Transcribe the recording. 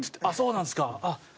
「ああそうなんすか」。